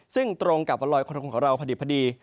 ซึ่งตรงกับวันลอยกระทงของเราพอดี